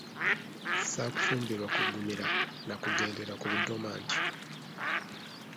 Saakufumbirwa kugumira na kugendera ku budoma ntyo.